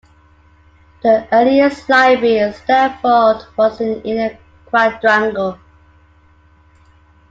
The earliest library at Stanford was in the inner quadrangle.